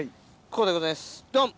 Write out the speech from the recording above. こうでございますドン！